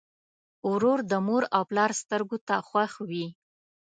ورور د مور او پلار سترګو ته خوښ وي.